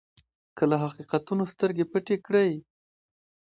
که له حقیقتونو سترګې پټې کړئ.